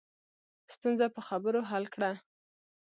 ستونزه په خبرو حل کړه